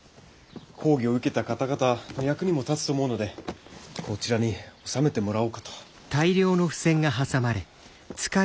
講義を受けた方々の役にも立つと思うのでこちらに納めてもらおうかと。